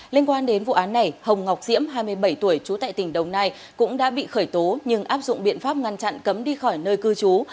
liên quan đến vụ án này hồng ngọc diễm hai mươi bảy tuổi trú tại tỉnh đồng nai cũng đã bị khởi tố nhưng áp dụng biện pháp ngăn chặn cấm đi khỏi nơi cư trú